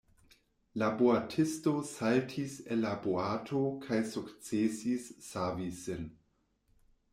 La boatisto saltis el la boato kaj sukcesis savi sin.